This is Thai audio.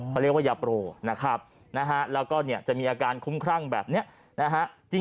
เขาเรียกว่ายาโปรนะครับแล้วก็จะมีอาการคุ้มครั่งแบบนี้